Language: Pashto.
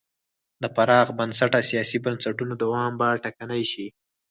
د پراخ بنسټه سیاسي بنسټونو دوام به ټکنی شي.